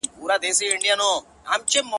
• حقيقت د دود للاندي پټيږي تل,